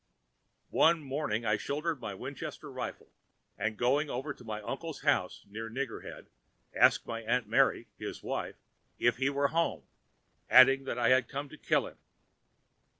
"One morning I shouldered my Winchester rifle, and going over to my uncle's house, near Nigger Head, asked my Aunt Mary, his wife, if he were at home, adding that I had come to kill him.